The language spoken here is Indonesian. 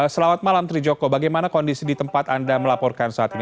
selamat malam trijoko bagaimana kondisi di tempat anda melaporkan saat ini